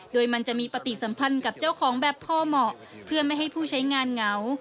โดยมันจะมีปฏิสัมพันธ์กับเจ้าของแบบพอเหมาะเพื่อไม่ให้ผู้ใช้งานเหงา